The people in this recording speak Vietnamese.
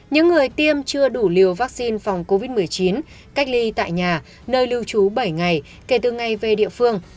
những người tiêm chưa đủ liều vaccine phòng covid một mươi chín cách ly tại nhà nơi lưu trú bảy ngày kể từ ngày về địa phương